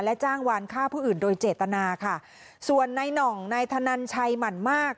จ้างวานฆ่าผู้อื่นโดยเจตนาค่ะส่วนในหน่องนายธนันชัยหมั่นมาก